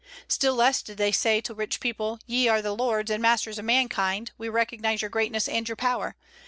Still less did they say to rich people, "Ye are the lords and masters of mankind. We recognize your greatness and your power.